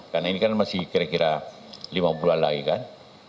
karena ini kan masih kira kira lima bulan lagi kan